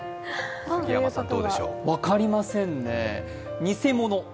分かりませんね、偽物？